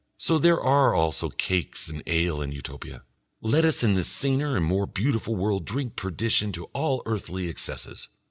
So there are also cakes and ale in Utopia! Let us in this saner and more beautiful world drink perdition to all earthly excesses.